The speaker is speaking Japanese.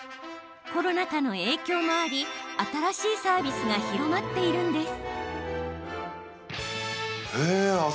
コロナ禍の影響もあり新しいサービスが広まっているんです。